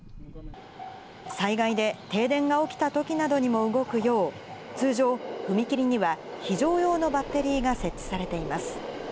災害で停電が起きたときなどにも動くよう、通常、踏切には非常用のバッテリーが設置されています。